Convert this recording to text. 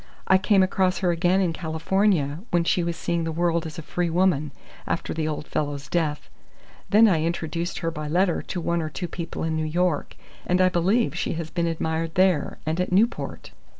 I came across her again in California, when she was seeing the world as a free woman, after the old fellow's death. Then I introduced her by letter to one or two people in New York, and I believe she has been admired there, and at Newport.